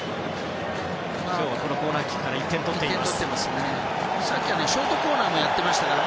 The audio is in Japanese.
今日はコーナーキックから１点取っています。